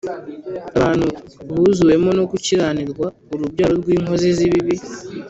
abantu buzuwemo no gukiranirwa, urubyaro rw’inkozi z’ibibi